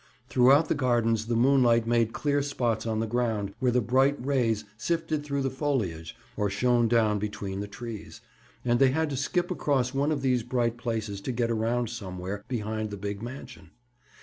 Throughout the gardens, the moonlight made clear spots on the ground where the bright rays sifted through the foliage or shone down between the trees, and they had to skip across one of these bright places to get around somewhere behind the big mansion.